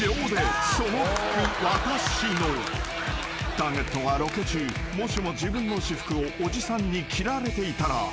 ［ターゲットがロケ中もしも自分の私服をおじさんに着られていたら］